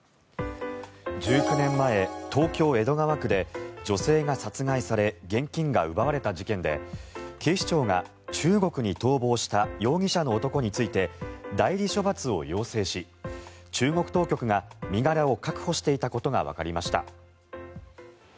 １９年前東京・江戸川区で女性が殺害され現金が奪われた事件で警視庁が、中国に逃亡した容疑者の男について代理処罰を要請し中国当局が身柄を確保していたことがわかりました。